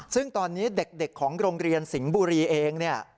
ซึ่งตอนนี้เด็กของโรงเรียนสิงห์บุรีเองเนี่ย